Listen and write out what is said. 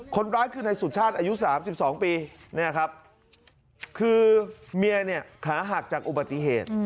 คนร้ายคือในสุชาติอายุ๓๒ปีคือเมียขาหักจากอุบัติเหตุ